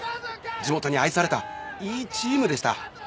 地元に愛されたいいチームでした。